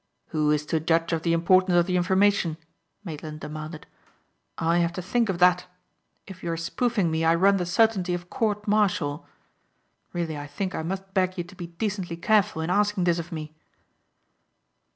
"Who is to judge of the importance of the information?" Maitland demanded, "I have to think of that. If you are spoofing me I run the certainty of court martial. Really I think I must beg you to be decently careful in asking this of me."